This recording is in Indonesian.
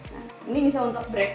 nah ini bisa untuk breakfast ya